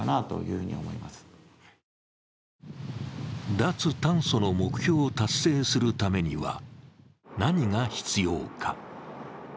脱炭素の目標を達成するためには何が必要か。